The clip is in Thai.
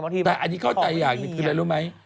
แต่อันนี้ก็แต่อย่างนี้เลยรู้ไหม